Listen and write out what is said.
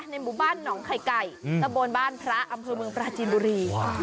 ในหมู่บ้านหนองไข่ไก่ตะบนบ้านพระอำเภอเมืองปราจีนบุรี